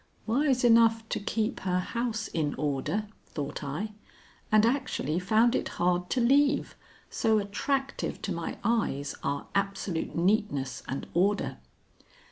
"Wise enough to keep her house in order," thought I, and actually found it hard to leave, so attractive to my eyes are absolute neatness and order.